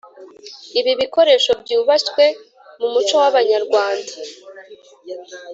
ibi bikoresho byubashywe mu muco w’abanyarwanda